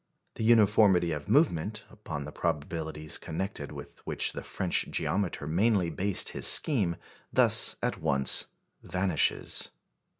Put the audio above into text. The uniformity of movement, upon the probabilities connected with which the French geometer mainly based his scheme, thus at once vanishes.